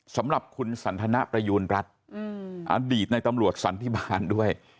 สำหรับคุณสันทนประยูณรัฐอดีตในตำรวจสันติบาลด้วย